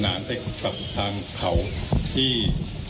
คุณผู้ชมไปฟังผู้ว่ารัฐกาลจังหวัดเชียงรายแถลงตอนนี้ค่ะ